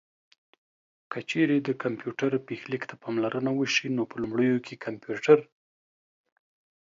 که چېرې د کمپيوټر پيښليک ته پاملرنه وشي نو په لومړيو کې کمپيوټر